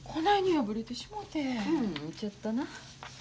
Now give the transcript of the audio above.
うんちょっとな。